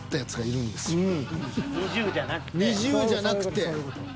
２０じゃなくて。